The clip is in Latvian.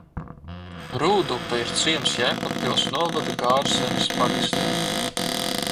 Rūdupe ir ciems Jēkabpils novada Gārsenes pagastā.